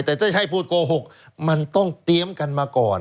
แต่ถ้าให้พูดโกหกมันต้องเตรียมกันมาก่อน